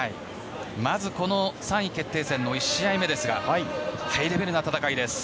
まずこの３位決定戦の１試合目ですがハイレベルな戦いです。